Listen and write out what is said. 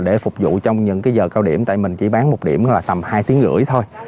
để phục vụ trong những giờ cao điểm tại mình chỉ bán một điểm là tầm hai tiếng rưỡi thôi